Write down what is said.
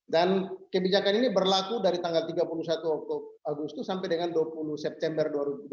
dan kebijakan ini berlaku dari tanggal tiga puluh satu agustus sampai dengan dua puluh september dua ribu dua puluh satu